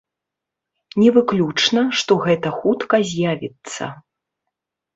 Не выключна, што гэта хутка з'явіцца.